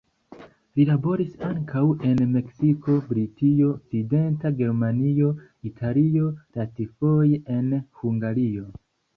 Li laboris ankaŭ en Meksiko, Britio, Okcidenta Germanio, Italio, lastfoje en Hungario.